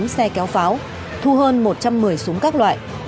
một mươi tám xe kéo pháo thu hơn một trăm một mươi súng các loại